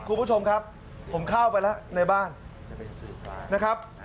คุณผู้ชมครับผมเข้าไปแล้วในบ้านนะครับ